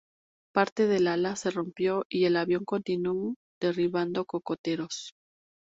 Parte del ala se rompió y el avión continuó derribando cocoteros.